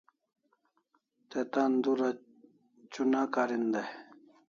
Te tan dura chuna karin day